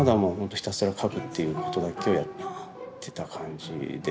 ひたすら描くっていうことだけをやってた感じで。